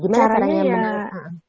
gimana caranya ya